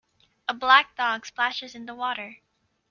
A black dog splashes in the water.